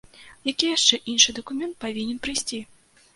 Які яшчэ іншы дакумент павінен прыйсці?